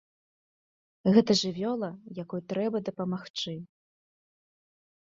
Гэта жывёла, якой трэба дапамагчы.